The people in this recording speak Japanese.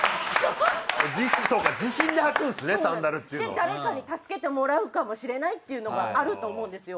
誰かに助けてもらうかもしれないっていうのがあると思うんですよ。